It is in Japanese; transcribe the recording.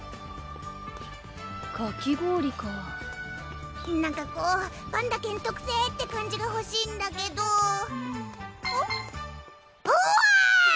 かき氷かなんかこうぱんだ軒特製って感じがほしいんだけどはぅあぁ！